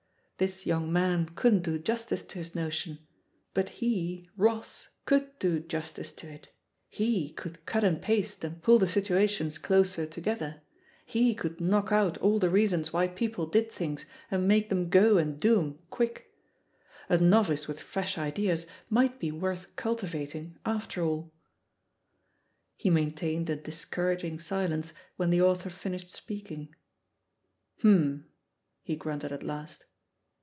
This young man couldn't do justice to his notion; hut he, Ross^ could do justice to it — he could cut and paste and pull the situations closer together; he could knock out all the reasons why people did things and make them go and do 'em quick 1 A novice with fresh ideas might be worth cultivating, after aU. He maintained a discouraging silence when the author finished speaking. ... *'Humphl" he grunted at last.